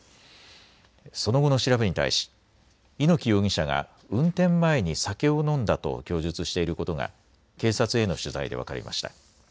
その後の調べに対し、猪木容疑者が運転前に酒を飲んだと供述していることが警察への取材で分かりました。